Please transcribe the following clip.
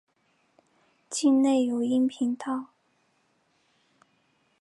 境内有阴平道。